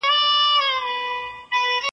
عاقبت به یې مغزی پکښي ماتیږي .